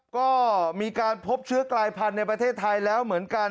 ก็มีการพบเชื้อกลายพันธุ์ในประเทศไทยแล้วเหมือนกัน